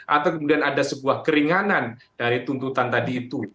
atau kemudian ada sebuah keringanan dari tuntutan tadi itu